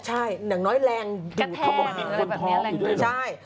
ใช่แหล่งแรงอยู่ข้ามันก็มีคนท้องอยู่ด้วย